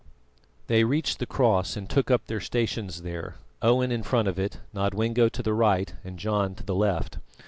They reached the cross and took up their stations there, Owen in front of it, Nodwengo to the right, and John to the left.